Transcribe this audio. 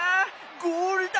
ゴールだ！